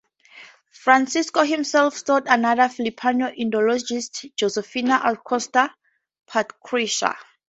Francisco himself taught another Filipino Indologist, Josephine Acosta Pasricha.